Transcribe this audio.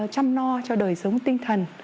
giáo no cho đời sống tinh thần